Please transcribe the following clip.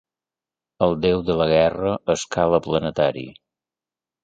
El déu de la guerra a escala planetària.